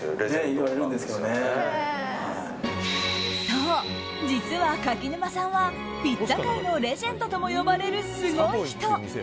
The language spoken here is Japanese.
そう、実は柿沼さんはピッツァ界のレジェンドとも呼ばれる、すごい人。